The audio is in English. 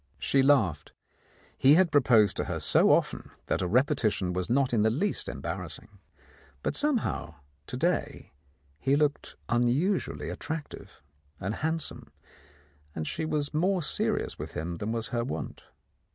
She laughed ; he had proposed to her so often that a repetition was not in the least embarrassing. But somehow, to day, he looked unusually attractive and handsome, and she was more serious with him than was her wont.